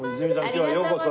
今日はようこそ。